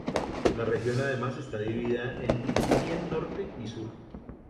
La región además está dividida en Ithilien Norte y Sur.